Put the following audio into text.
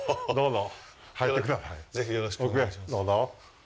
どうぞ。